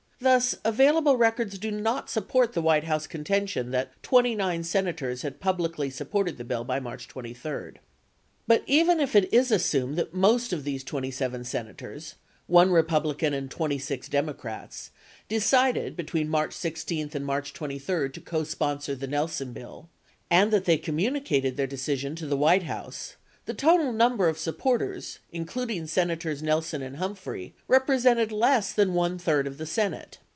Thus, available records do not support the White House contention that 29 Senators had publicly supported the bill by March 23. But even if it is assumed that most of these 27 Senators (1 Republi can and 26 Democrats) decided between March 16 and March 23 to cosponsor the Nelson bill and that they communicated their decision to the White House, the total number of supporters, including Senators Nelson and Humphrey, represented less than one third of the Senate.